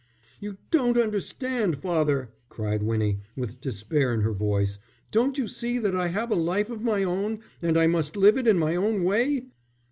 "You don't understand, father," cried Winnie, with despair in her voice. "Don't you see that I have a life of my own, and I must live it in my own way?"